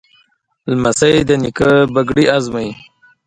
لمسی د نیکه پګړۍ ازمایي.